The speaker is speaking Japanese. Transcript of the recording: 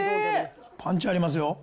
パンチありますよ。